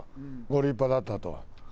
ご立派だったと。